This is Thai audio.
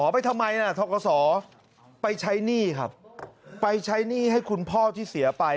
ไปทำไมนะทกศไปใช้หนี้ครับไปใช้หนี้ให้คุณพ่อที่เสียไป